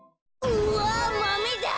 うわマメだ！